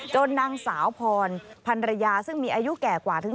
จนนางเสาพรพันรยาซึ่งมีอายุแก่กว่า